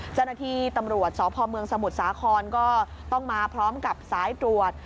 เจ้าหน้าที่ตำรวจสพเมืองสมุทรสาครก็ต้องมาพร้อมกับสายตรวจ